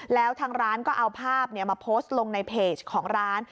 แล้วทางร้านก็เอาภาพมาโพสต์ลงในเพจของร้าน